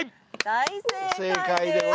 大正解です。